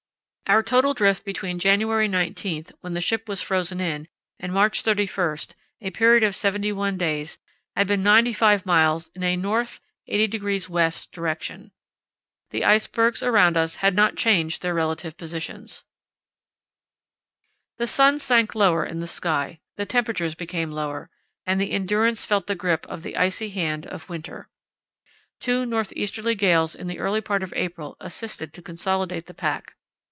Our total drift between January 19, when the ship was frozen in, and March 31, a period of seventy one days, had been 95 miles in a N. 80° W. direction. The icebergs around us had not changed their relative positions. The sun sank lower in the sky, the temperatures became lower, and the Endurance felt the grip of the icy hand of winter. Two north easterly gales in the early part of April assisted to consolidate the pack.